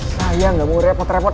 saya nggak mau repot repot